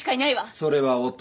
それは男？